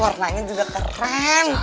warnanya juga keren